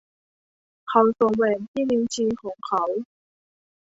เขาสวมแหวนที่นิ้วชี้ของเขา